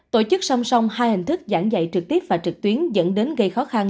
tổ chức song song hai hình thức giảng dạy trực tiếp và trực tuyến dẫn đến gây khó khăn